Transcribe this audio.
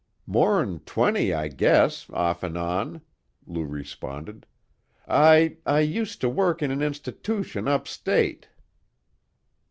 "More'n twenty, I guess, off an' on," Lou responded. "I I used to work in an institootion up State."